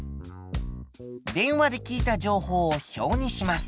電話で聞いた情報を表にします。